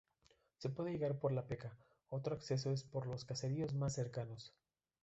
Se puede llegar por La Peca, otro acceso es por los caseríos más cercanos.